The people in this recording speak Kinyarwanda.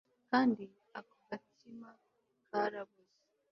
kandi ako gatsima karaboze